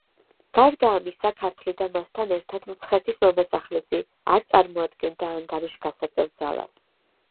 გარდა ამისა, ქართლი და მასთან ერთად მცხეთის მამასახლისი არ წარმოადგენდა ანგარიშგასაწევ ძალას.